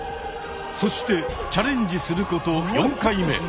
そしてチャレンジすること４回目。